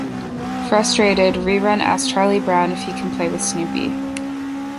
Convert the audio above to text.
Frustrated, Rerun asks Charlie Brown if he can play with Snoopy.